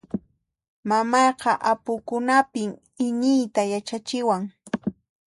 Mamayqa apukunapin iñiyta yachachiwan.